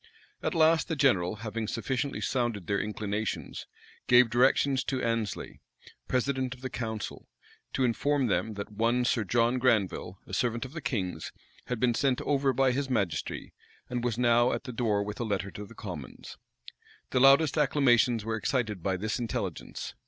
At last, the general, having sufficiently sounded their inclinations, gave directions to Annesley, president of the council, to inform them, that one Sir John Granville, a servant of the king's, had been sent over by his majesty, and was now at the door with a letter to the commons. The loudest acclamations were excited by this intelligence.